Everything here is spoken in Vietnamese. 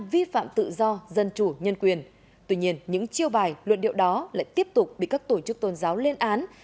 vi phạm tự do dân chủ nhân quyền tuy nhiên những chiêu bài luận điệu đó lại tiếp tục bị các tổ chức tôn giáo lên án